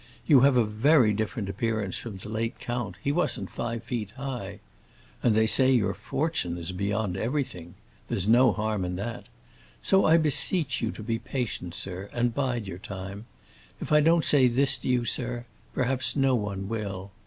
You have a very different appearance from the late count, he wasn't five feet high. And they say your fortune is beyond everything. There's no harm in that. So I beseech you to be patient, sir, and bide your time. If I don't say this to you, sir, perhaps no one will.